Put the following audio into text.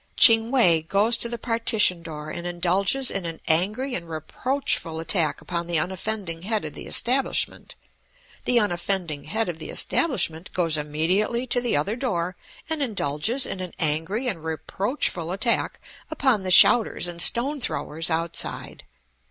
Ching We goes to the partition door and indulges in an angry and reproachful attack upon the unoffending head of the establishment. The unoffending head of the establishment goes immediately to the other door and indulges in an angry and reproachful attack upon the shouters and stone throwers outside.